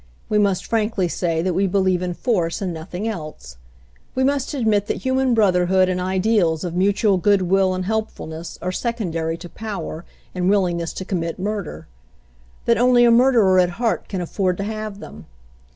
We must frankly say that we believe in force and nothing else. We must admit that human brotherhood and ideals of mutual good will and helpfulness are sec ondary to power and willingness to commit mur der; that only a murderer at heart can afford to have them.